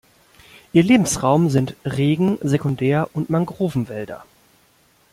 Ihr Lebensraum sind Regen-, Sekundär- und Mangrovenwäldern.